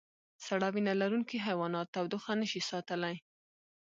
سړه وینه لرونکي حیوانات تودوخه نشي ساتلی